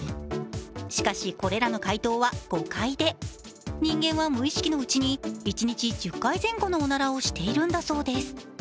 しかし、これらの回答は誤解で、人間は無意識のうちに一日１０回前後のおならをしているんだそうです。